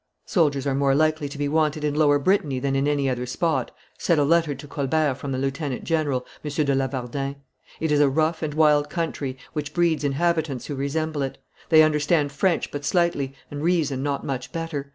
"Soldiers are more likely to be wanted in Lower Brittany than in any other spot," said a letter to Colbert from the lieutenant general, M. de Lavardin; "it is a rough and wild country, which breeds inhabitants who resemble it. They understand French but slightly, and reason not much better.